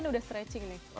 udah stretching nih